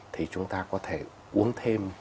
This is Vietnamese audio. thì chúng ta có thể uống thêm